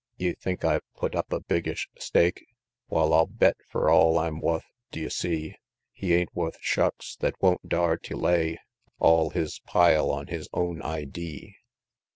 Ye think I've put up a biggish stake? Wal, I'll bet fur all I'm wuth, d'ye see? He ain't wuth shucks thet won't dar tew lay All his pile on his own idee!